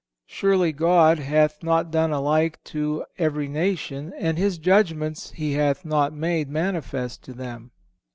Surely God "hath not done alike to every nation, and His judgments He hath not made manifest to them."